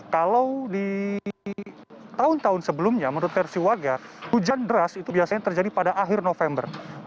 kalau di tahun tahun sebelumnya menurut versi warga hujan deras itu biasanya terjadi pada akhir november